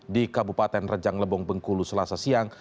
di kabupaten rejang lebong bengkulu selasa siang